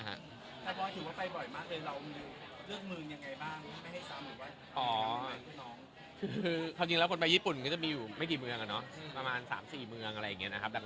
ถ้าบอสถิติว่าไปบ่อยมากเลยเราเลือกเมืองยังไงบ้าง